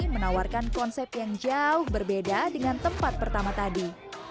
menawarkan konsep yang jauh berbeda dengan tempat pertama tadi